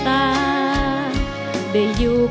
เพลงแรกของเจ้าเอ๋ง